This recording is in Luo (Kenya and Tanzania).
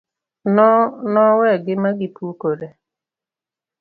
nowegi magipukore